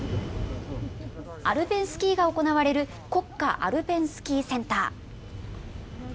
アルペンスキーが行われる、国家アルペンスキーセンター。